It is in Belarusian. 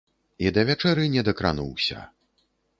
І да вячэры не дакрануўся.